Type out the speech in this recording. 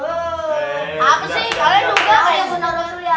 aku tau ya